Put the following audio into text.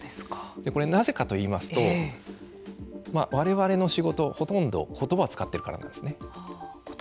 なぜかといいますと我々の仕事ほとんど言葉を使っているからなんですね。